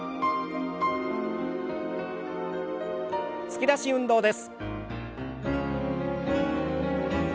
突き出し運動です。